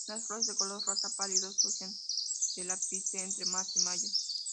Las flores, de color rosa pálido, surgen del ápice entre marzo y mayo.